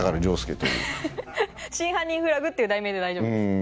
『真犯人フラグ』っていう題名で大丈夫ですか？